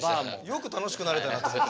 よく楽しくなれたなと思って。